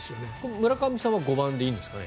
村上さんは５番でいいんですかね？